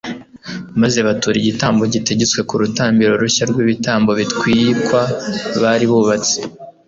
maze batura igitambo gitegetswe ku rutambiro rushya rw'ibitambo bitwikwa bari bubatse